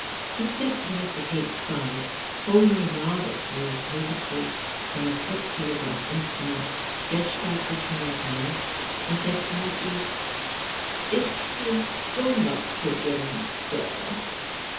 He stepped to Mr. Tate's side, holding a yard or so of paper tape from a stock telegraph instrument stretched out between his hands, and said quietly, " It has gone up again, sir."